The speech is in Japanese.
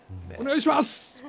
お願いします。